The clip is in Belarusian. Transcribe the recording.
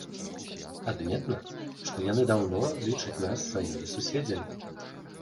Адметна, што яны даўно лічаць нас сваімі суседзямі.